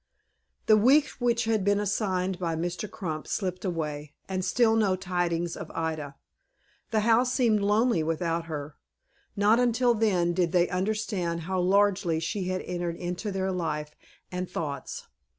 THE week which had been assigned by Mr. Crump slipped away, and still no tidings of Ida. The house seemed lonely without her. Not until then, did they understand how largely she had entered into their life and thoughts.